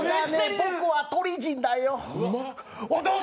僕は鳥人だよ。